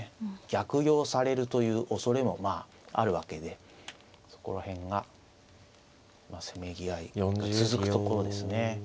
逆用されるというおそれもあるわけでそこら辺がまあせめぎ合いが続くところですね。